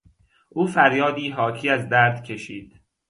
او فریادی حاکی از درد کشید.